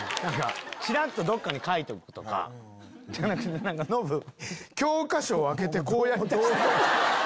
ちらっとどっかに書いとくとかじゃなくてノブ教科書を開けてこうやり出して。